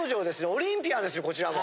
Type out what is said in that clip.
オリンピアンですよこちらも。